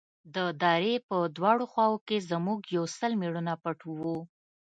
د درې په دواړو خواوو کښې زموږ يو سل مېړونه پټ وو.